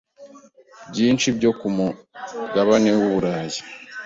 byinshi byo ku mugabane w’u Burayi